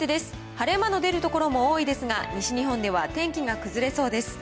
晴れ間の出る所も多いですが、西日本では天気が崩れそうです。